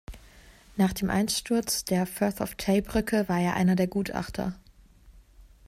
Nach dem Einsturz der Firth-of-Tay-Brücke war er einer der Gutachter.